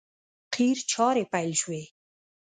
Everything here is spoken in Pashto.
قیر چارې پیل شوې!